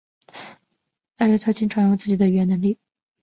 艾略特经常用自己的语言能力。